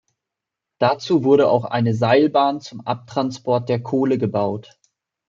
Dazu wurde auch eine Seilbahn zum Abtransport der Kohle gebaut.